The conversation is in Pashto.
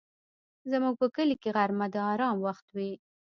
زموږ په کلي کې غرمه د آرام وخت وي